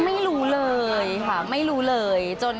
ไม่รู้เลยค่ะไม่รู้เลย